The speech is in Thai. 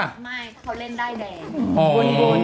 ไม่เขาเล่นได้เลย